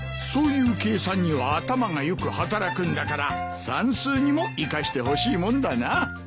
そういう計算には頭がよく働くんだから算数にも生かしてほしいもんだな。